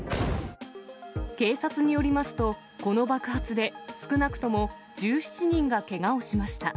警察によりますと、この爆発で少なくとも１７人がけがをしました。